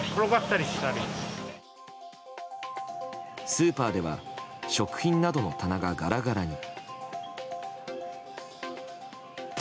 スーパーでは食品などの棚がガラガラに。